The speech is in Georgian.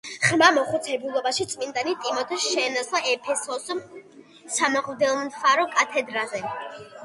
ღრმა მოხუცებულობაში წმინდანი ტიმოთეს შეენაცვლა ეფესოს სამღვდელმთავრო კათედრაზე.